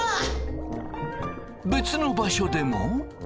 別の場所でも。